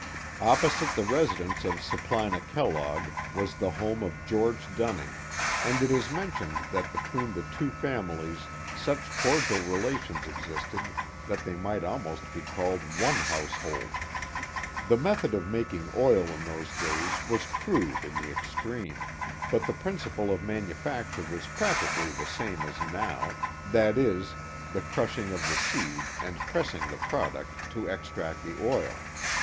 326 The Mohawk Valley Opposite the residence of Supplina Keilogg was tlie¥i of George Dunning, and it is mentioned that between the two families such cordial relations existed that they might almost be called one household. The method of making oil in those days was crude in the extreme, but the principle of manufacture was practically the same as now; that is, the crushing of the seed and pressing ihe product to extract the oil.